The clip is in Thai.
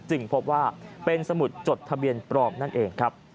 พบว่าเป็นสมุดจดทะเบียนปลอมนั่นเองครับ